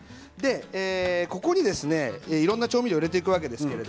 ここにですねいろんな調味料を入れていくわけです。